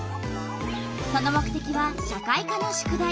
その目てきは社会科の宿題。